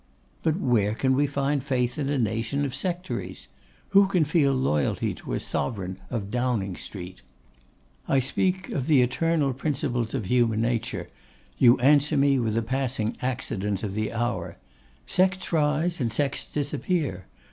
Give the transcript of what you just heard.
'But where can we find faith in a nation of sectaries? Who can feel loyalty to a sovereign of Downing Street?' 'I speak of the eternal principles of human nature, you answer me with the passing accidents of the hour. Sects rise and sects disappear.